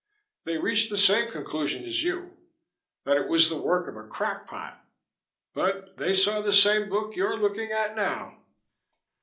They reached the same conclusion as you that it was the work of a crackpot; but they saw the same book you're looking at now."